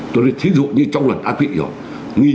tôi nói ví dụ như trong luận ác vị